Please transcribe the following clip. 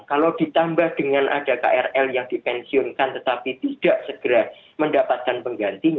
kalau ditambah dengan ada krl yang dipensiunkan tetapi tidak segera mendapatkan penggantinya